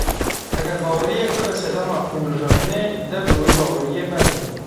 Eger baweriyek bibe sedema xwînrijandinê, dev ji wê baweriyê berdin.